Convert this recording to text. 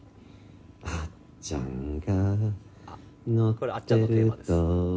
これあっちゃんのテーマです。